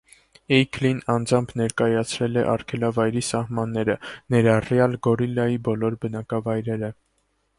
Էյքլին անձամբ ներկայացրել է արգելավայրի սահմանները, ներառյալ գորիլայի բոլոր բնակավայրերը։